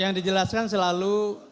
yang dijelaskan selalu